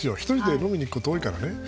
１人で飲みに行くことが多いからね。